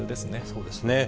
そうですね。